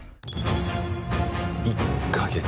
１か月。